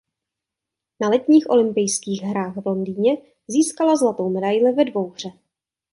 Na Letních olympijských hrách v Londýně získala zlatou medaili ve dvouhře.